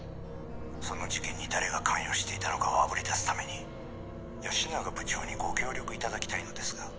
「その事件に誰が関与していたのかをあぶり出すために吉永部長にご協力頂きたいのですが」